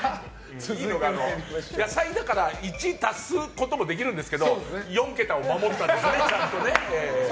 野菜だから１足すこともできるんですけど４桁を守ったんですね、ちゃんと。